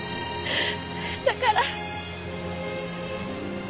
だから。